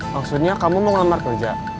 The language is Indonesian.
maksudnya kamu mau ngelamar kerja